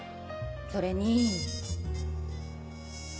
それに。